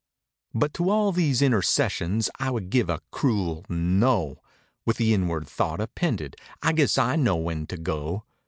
But to all these intercessions I would give a cruel "No!" lOI With the inward thought appended, "I guess I know when to go.